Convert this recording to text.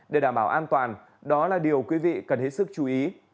để đảm bảo an toàn đó là điều quý vị cần hết sức chú ý